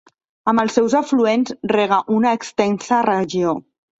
Amb els seus afluents rega una extensa regió.